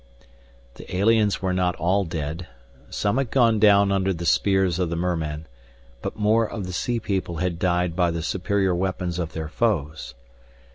The aliens were not all dead. Some had gone down under the spears of the mermen, but more of the sea people had died by the superior weapons of their foes.